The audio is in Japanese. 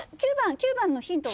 ９番のヒントを。